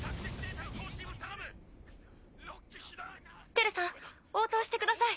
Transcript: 輝さん応答してください。